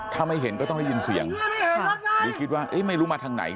ถ้าไม่เห็นก็ต้องได้ยินเสียงหรือคิดว่าเอ๊ะไม่รู้มาทางไหน